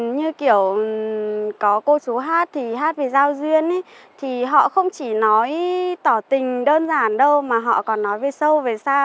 như kiểu có cô chú hát thì hát về giao duyên thì họ không chỉ nói tỏ tình đơn giản đâu mà họ còn nói về sâu về xa